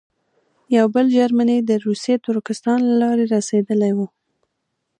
یو بل جرمنی د روسي ترکستان له لارې رسېدلی وو.